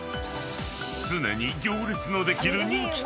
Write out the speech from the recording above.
［常に行列のできる人気店］